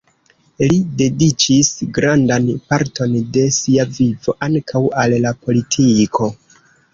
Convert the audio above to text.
Li dediĉis grandan parton de sia vivo ankaŭ al la politiko.